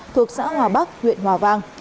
thuộc xã hòa bắc huyện hòa vang